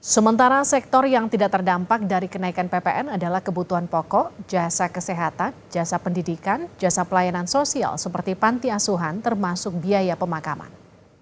sementara sektor yang tidak terdampak dari kenaikan ppn adalah kebutuhan pokok jasa kesehatan jasa pendidikan jasa pelayanan sosial seperti panti asuhan termasuk biaya pemakaman